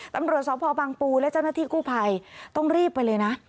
ตำรวจสพบังปูและเจ้าหน้าที่กู้ภัยต้องรีบไปเลยนะ